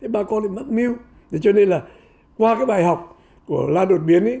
bà con thì mất mưu cho nên là qua cái bài học của lan đột biến